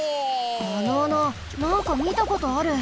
あの穴なんかみたことある。